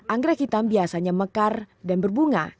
anggrek hitam biasanya mekar dan berbunga